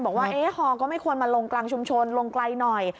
บอกว่าฮอก็ไม่ควรมาลงกลางชุมชนลงไกลหน่อย